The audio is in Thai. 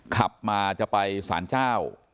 ขับมาจะไปสารเจ้า